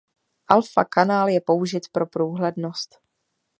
Alpha kanál je použit pro průhlednost.